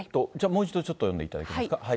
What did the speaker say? もう一度ちょっと読んでいただけますか。